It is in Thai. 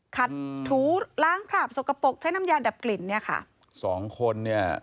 ขัดถูล้างผลาบสกปรกใช้น้ำยาดับกลิ่น